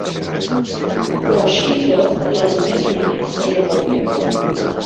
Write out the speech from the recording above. Però, així i tot, l’argument jurídic seria molt feble.